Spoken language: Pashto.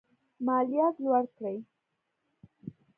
مالیات لوړ کړي.